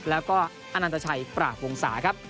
แล้วก็อนันตชัยปราบวงศาครับ